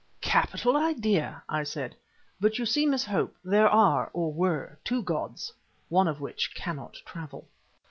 "Capital idea," I said, "but you see, Miss Hope, there are, or were, two gods, one of which cannot travel."